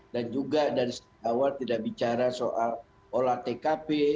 dan juga dari awal tidak bicara soal olah tkp